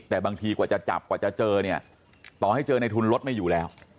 แต่บางทีกว่าจะจับกว่าจะเจอเนี่ยต่อให้เจอในทุนรถไม่อยู่แล้ว